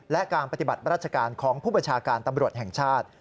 และการปฏิบัติราชการของผู้บัญชาการตำรวจแห่งชาติ